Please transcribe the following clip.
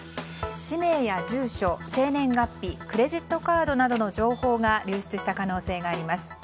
氏名や住所、生年月日クレジットカードなどの情報が流出した可能性があります。